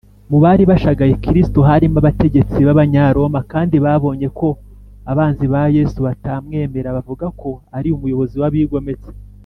mu bari bashagaye kristo, harimo abategetsi b’abanyaroma, kandi babonye ko abanzi ba yesu batamwemera bavuga ko ari umuyobozi w’abigometse